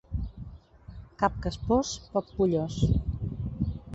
Cap caspós, poc pollós.